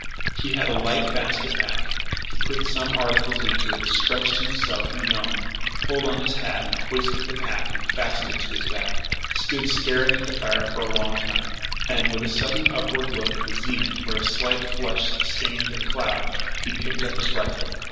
He had a light basket pack. He put some articles into it, stretched himself and yawned, pulled on his hat, hoisted the pack and fastened it to his back, stood staring at the fire for a long time; then, with a sudden upward look at the zenith where a slight flush stained a cloud, he picked up his rifle.